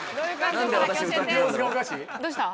どうした？